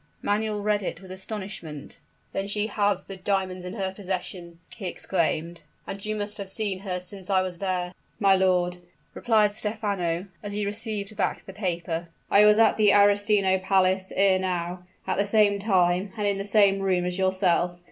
Manuel read it with astonishment. "Then she has the diamonds in her possession!" he exclaimed; "and you must have seen her since I was there!" "My lord," replied Stephano, as he received back the paper, "I was at the Arestino Palace ere now, at the same time, and in the same room, as yourself.